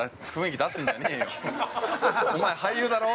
お前、俳優だろ。